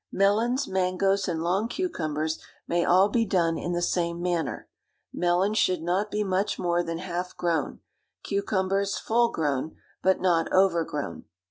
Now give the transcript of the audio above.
Melons, mangoes and long cucumbers may all be done in the same manner. Melons should not be much more than half grown; cucumbers full grown, but not overgrown.